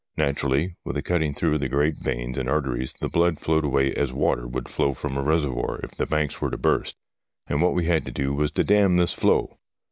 Naturally, with the cutting through of the great veins and arteries the blood flowed away as water would flow from a reservoir if the banks were to burst, and what we had to do was to dam this flow.